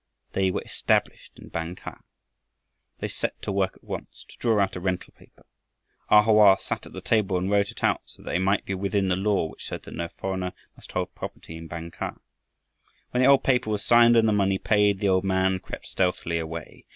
They were established in Bang kah! They set to work at once to draw out a rental paper. A Hoa sat at the table and wrote it out so that they might be within the law which said that no foreigner must hold property in Bang kah. When the paper was signed and the money paid, the old man crept stealthily away.